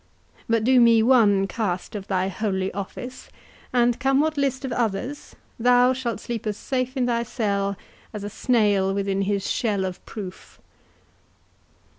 But do me one cast of thy holy office, and, come what list of others, thou shalt sleep as safe in thy cell as a snail within his shell of proof."